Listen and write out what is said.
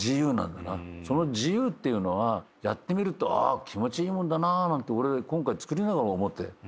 その自由っていうのがやってみると気持ちいいもんだななんて俺今回作りながら思って。